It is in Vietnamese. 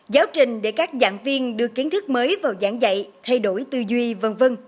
giáo trình để các giảng viên đưa kiến thức mới vào giảng dạy thay đổi tư duy v v